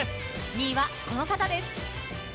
２位はこの方です。